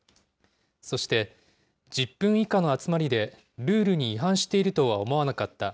そして、１０分以下の集まりで、ルールに違反しているとは思わなかった。